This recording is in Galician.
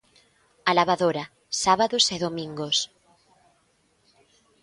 A lavadora, sábados e domingos.